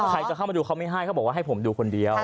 ใครจะเข้ามาดูเขาไม่ให้เขาบอกว่าให้ผมดูคนเดียว